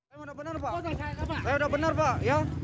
saya udah benar pak saya udah benar pak ya